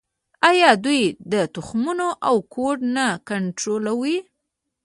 آیا دوی تخمونه او کود نه کنټرولوي؟